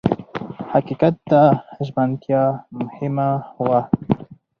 حقیقت ته ژمنتیا مهمه وه.